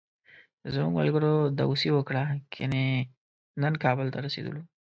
زموږ ملګرو داوسي وکړه، کني نن کابل ته رسېدلو.